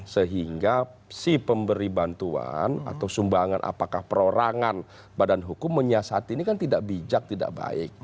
sehingga si pemberi bantuan atau sumbangan apakah perorangan badan hukum menyiasati ini kan tidak bijak tidak baik